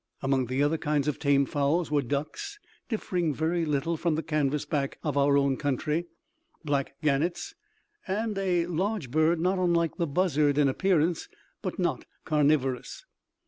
Among the other kinds of tame fowls were ducks, differing very little from the canvass back of our own country, black gannets, and a large bird not unlike the buzzard in appearance, but not carnivorous.